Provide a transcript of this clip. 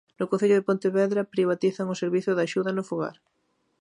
No Concello de Pontevedra privatizan o servizo de axuda no fogar.